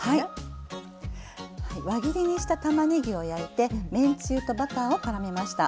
輪切りにしたたまねぎを焼いてめんつゆとバターをからめました。